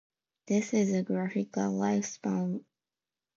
This is a graphical lifespan timeline of Presidents of Botswana.